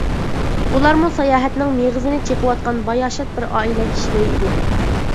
بۇلارمۇ ساياھەتنىڭ مېغىزىنى چېقىۋاتقان باياشات بىر ئائىلە كىشىلىرى ئىدى.